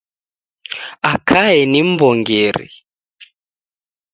Akae ni m'w'ongeri.